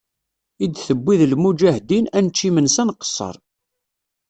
I d-tewwi d lmuǧahdin, ad nečč imensi ad nqesser.